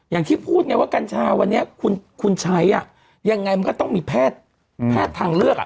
อย่างที่พูดเนี่ยว่ากันชาววันนี้คุณคุณชัยอ่ะยังไงมันก็ต้องมีแพทย์แพทย์ทางเลือกอ่ะ